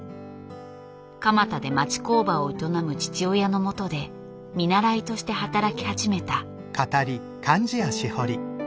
蒲田で町工場を営む父親のもとで見習いとして働き始めた。